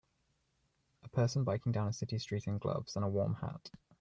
A person biking down a city street in gloves and a warm hat.